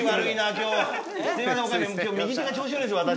今日右手が調子悪いです私。